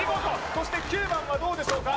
そして９番はどうでしょうか？